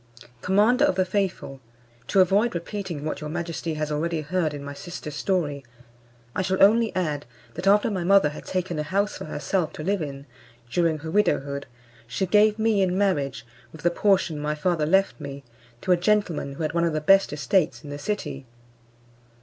Commander of the faithful, to avoid repeating what your majesty has already heard in my sister's story, I shall only add, that after my mother had taken a house for herself to live in, during her widowhood, she gave me in marriage, with the portion my father left me, to a gentleman who had one of the best estates in the city.